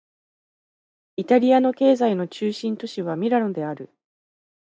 イタリアの経済の中心都市はミラノである